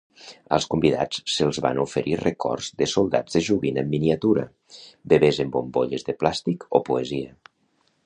Als convidats se'ls van oferir records de soldats de joguina en miniatura, bebès en bombolles de plàstic o poesia.